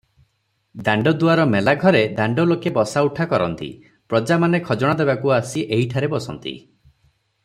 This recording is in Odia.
ଦାଣ୍ଡଦୁଆର ମେଲାଘରେ ଦାଣ୍ଡଲୋକେ ବସା ଉଠା କରନ୍ତି, ପ୍ରଜାମାନେ ଖଜଣା ଦେବାକୁ ଆସି ଏହିଠାରେ ବସନ୍ତି ।